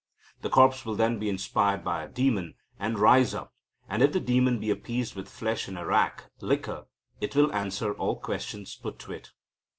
The corpse will then be inspired by a demon, and rise up; and, if the demon be appeased with flesh and arrack (liquor), it will answer all questions put to it."